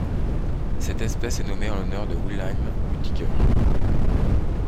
Cette espèce est nommée en l'honneur de Wilhelm Büttiker.